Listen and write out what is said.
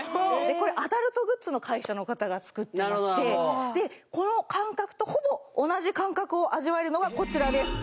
これアダルトグッズの会社の方が作ってらしてこの感覚とほぼ同じ感覚を味わえるのがこちらです